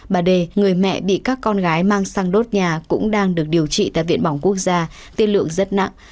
bà đề người mẹ bị các con gái mang sang đốt nhà cũng đang được điều trị tại viện bỏng quốc gia tiên lượng rất nặng